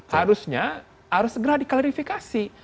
harusnya harus segera diklarifikasi